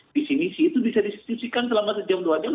visi visi itu bisa disitusikan selama sejam dua jam